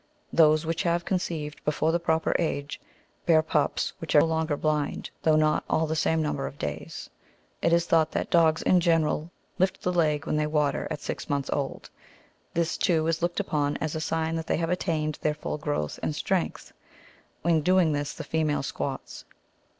Those which have conceived before the proper age, bear pups which are longer blind, though not all the same number of days. It is thought that dogs, in general, lift the leg when they water at six months old ; this, too, is looked upon as a sign that they have attained their full growth and strength ; when doing this, the female squats.